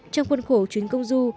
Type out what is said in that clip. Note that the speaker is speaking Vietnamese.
trong khuôn khổ chuyến công du